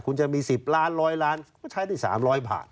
คุณจะมี๑๐ล้าน๑๐๐ล้านก็ใช้ได้๓๐๐บาท